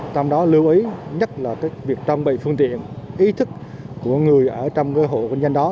trong đó lưu ý nhất là việc trang bị phương tiện ý thức của người ở trong cái hộ kinh doanh đó